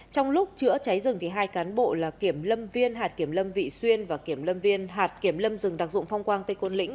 trong lúc chữa cháy rừng hai cán bộ là kiểm lâm viên hạt kiểm lâm vị xuyên và kiểm lâm viên hạt kiểm lâm rừng đặc dụng phong quang tây côn lĩnh